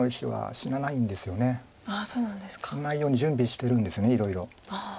死なないように準備してるんですよねいろいろ。